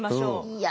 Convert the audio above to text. いや。